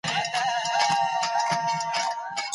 احمدشاه بابا هېڅکله له دښمن څخه وېره نه لرله.